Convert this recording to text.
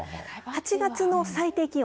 ８月の最低気温